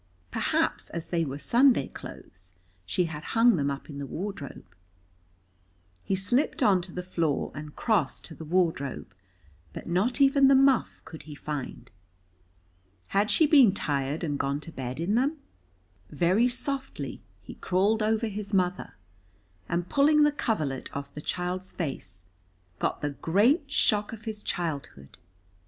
Perhaps as they were Sunday clothes she had hung them up in the wardrobe? He slipped on to the floor and crossed to the wardrobe, but not even the muff could he find. Had she been tired, and gone to bed in them? Very softly he crawled over his mother, and pulling the coverlet off the child's face, got the great shock of his childhood.